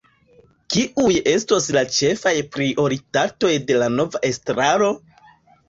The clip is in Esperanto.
Kiuj estos la ĉefaj prioritatoj de la nova estraro?